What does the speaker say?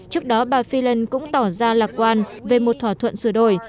trước đó bà freeland cũng tỏ ra lạc quan về một thỏa thuận sửa đổi